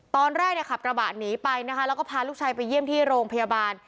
ตอนแรกเนี่ยขับกระบะหนีไปนะคะแล้วก็พาลูกชายไปเยี่ยมที่โรงพยาบาล